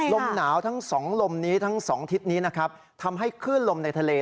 ลมหนาวทั้งสองลมนี้ทั้งสองทิศนี้นะครับทำให้คลื่นลมในทะเล